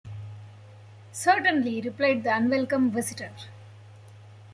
‘Certainly,’ replied the unwelcome visitor.